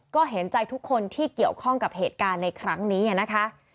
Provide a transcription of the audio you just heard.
ก็เห็นใจทุกคนที่เกี่ยวข้องกับเหตุการณ์ในครั้งนี้นะคะ